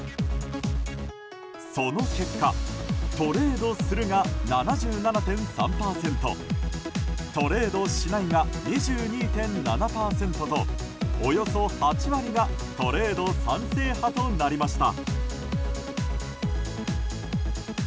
その結果トレードするが７７．３％トレードしないが２２．７％とおよそ８割がトレード賛成派となりました。